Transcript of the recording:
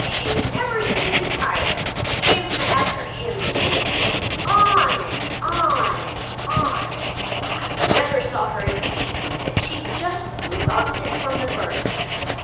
"She never seemed to tire; hymn after hymn she would sing, on and on and on. I never saw her impatient with it; she just loved it from the first."